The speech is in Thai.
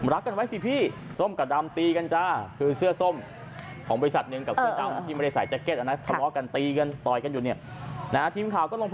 รักกันไว้สิพี่ส้มกับดำตีกันจ้าคือเสื้อส้มของบริษัทหนึ่งกับสูตรต้อง